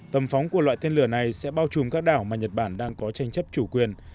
tầm phóng của loại tên lửa này sẽ bao trùm các đảo mà nhật bản đang có tranh chấp chủ quyền